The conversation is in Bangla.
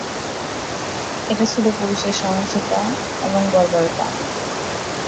এটা ছিল পুলিশের সহিংসতা এবং বর্বরতা।